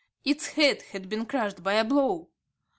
Its head had been crushed by a blow.